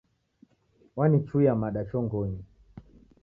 Wanichuia mada chongonyi.